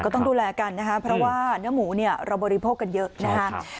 ต้องดูแลกันนะคะเพราะว่าเนื้อหมูเนี่ยเราบริโภคกันเยอะนะครับ